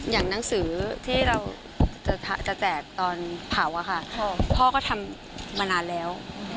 อย่างหนังสือที่เราจะแจกตอนเผาอะค่ะพ่อก็ทำมานานแล้ว